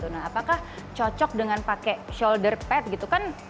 nah apakah cocok dengan pakai shoulder pad gitu kan